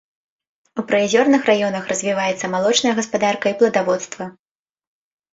У прыазёрных раёнах развіваецца малочная гаспадарка і пладаводства.